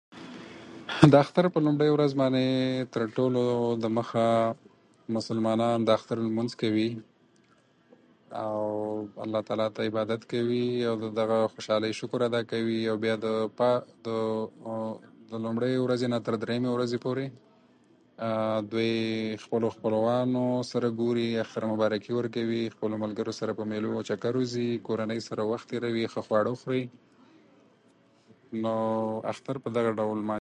د اختر په لومړۍ ورځ باندې تر ټولو د مخه مسلمانان د اختر لمونځ کوي، او آلله تعالی ته عبادت کوي او د دغه خوشالۍ شکر ادا کوي او بيا د لومړۍ ورځې څخه تر دريمې ورځې پورې دوی خپلو خپلوانو سره ګوري اختر مبارکي ورکوي خپلو ملګرو سره په مېلو او چکر وزي ، کورنيو سره وخت تېروي ښه خواړه خوري نو اختر په دغه ډول لمانځي